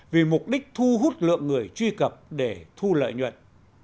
vì mục đích thu hút lượng người truy cập để thu lợi nhuận